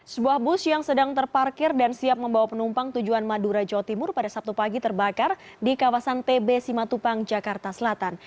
sebuah bus yang sedang terparkir dan siap membawa penumpang tujuan madura jawa timur pada sabtu pagi terbakar di kawasan tb simatupang jakarta selatan